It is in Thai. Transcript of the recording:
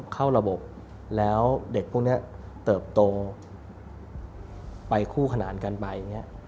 เข้าระบบแล้วเด็กพวกนี้เติบโตไปคู่ขนานกันไปอย่างนี้